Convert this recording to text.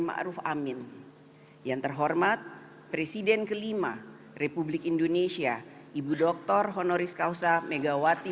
ma'ruf amin yang terhormat presiden ke lima republik indonesia ibu doktor honoris causa megawati